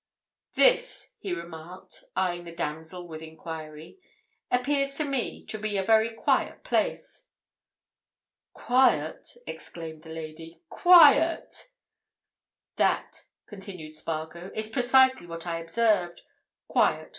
"This," he remarked, eyeing the damsel with enquiry, "appears to me to be a very quiet place." "Quiet!" exclaimed the lady. "Quiet?" "That," continued Spargo, "is precisely what I observed. Quiet.